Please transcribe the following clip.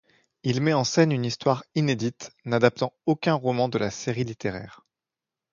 Il met en scène une histoire inédite, n'adaptant aucun roman de la série littéraire.